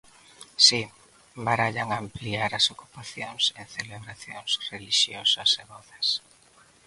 Si, barallan ampliar as ocupacións en celebracións relixiosas e vodas.